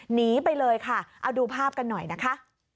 หนีไปเลยค่ะเอาดูภาพกันหน่อยนะคะ